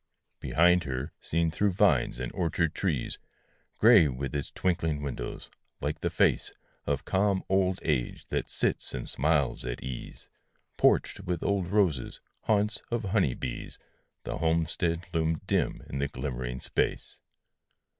Behind her, seen through vines and orchard trees, Gray with its twinkling windows like the face Of calm old age that sits and smiles at ease Porched with old roses, haunts of honey bees, The homestead loomed dim in a glimmering space.